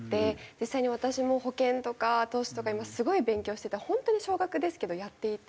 実際に私も保険とか投資とか今すごい勉強してて本当に小額ですけどやっていて。